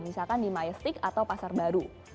misalkan di maestic atau pasar baru